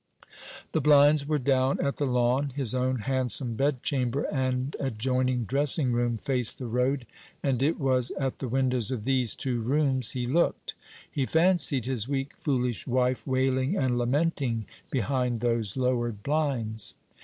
The blinds were down at the Lawn. His own handsome bedchamber and adjoining dressing room faced the road, and it was at the windows of these two rooms he looked. He fancied his weak foolish wife wailing and lamenting behind those lowered blinds.